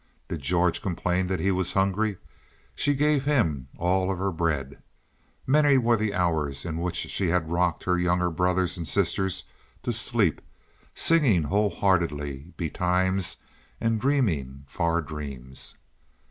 Did George complain that he was hungry, she gave him all of her bread. Many were the hours in which she had rocked her younger brothers and sisters to sleep, singing whole heartedly betimes and dreaming far dreams.